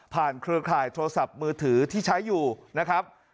เครือข่ายโทรศัพท์มือถือที่ใช้อยู่นะครับ